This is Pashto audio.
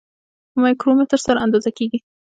په مایکرومتر سره اندازه کیږي.